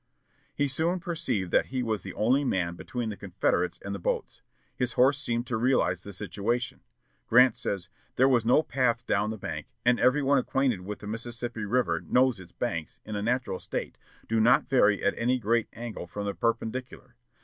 He soon perceived that he was the only man between the Confederates and the boats. His horse seemed to realize the situation. Grant says: "There was no path down the bank, and every one acquainted with the Mississippi River knows that its banks, in a natural state, do not vary at any great angle from the perpendicular.